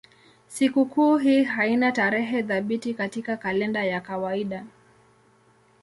Sikukuu hii haina tarehe thabiti katika kalenda ya kawaida.